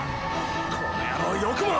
この野郎よくも！